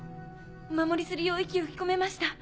お守りするよう息を吹き込めました。